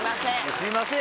「すいません」